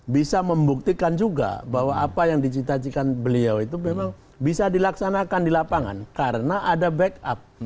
bisa membuktikan juga bahwa apa yang dicita cita beliau itu memang bisa dilaksanakan di lapangan karena ada backup